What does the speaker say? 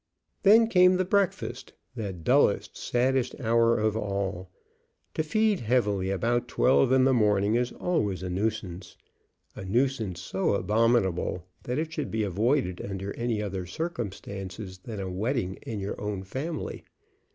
Then came the breakfast, that dullest, saddest hour of all. To feed heavily about twelve in the morning is always a nuisance, a nuisance so abominable that it should be avoided under any other circumstances than a wedding in your own family.